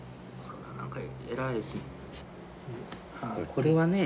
これはね